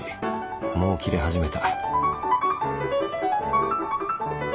もうきれ始めた